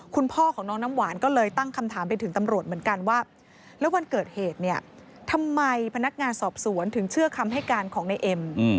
คุณพ่อของน้องน้ำหวานก็เลยตั้งคำถามไปถึงตำรวจเหมือนกันว่าแล้ววันเกิดเหตุเนี่ยทำไมพนักงานสอบสวนถึงเชื่อคำให้การของในเอ็ม